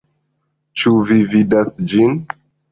Ĉu vi vidas ĝin?